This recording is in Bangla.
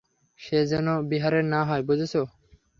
সে যেন বিহারের না হয়, বুঝেছ?